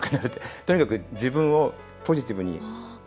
とにかく自分をポジティブに。